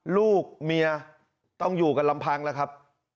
ลูกเมียต้องอยู่กันลำพังแล้วครับ